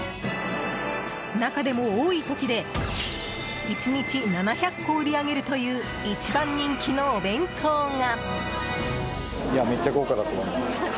中でも、多い時で１日７００個売り上げるという一番人気のお弁当が。